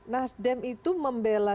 nasdem itu membela